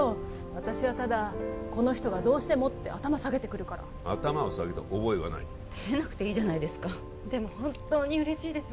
私はただこの人がどうしてもって頭下げてくるから頭を下げた覚えはない照れなくていいじゃないですかでも本当に嬉しいです